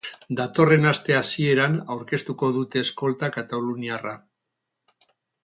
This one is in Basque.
Datorren aste hasieran aurkeztuko dute eskolta kataluniarra.